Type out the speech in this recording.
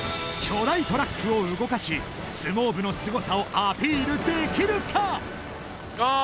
巨大トラックを動かし相撲部のすごさをアピールできるかいきまー